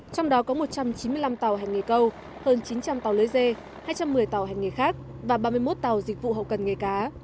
trong đó có một trăm chín mươi năm tàu hành nghề câu hơn chín trăm linh tàu lưới dê hai trăm một mươi tàu hành nghề khác và ba mươi một tàu dịch vụ hậu cần nghề cá